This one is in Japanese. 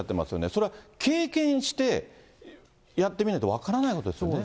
それは経験してやってみないと分からないことですよね。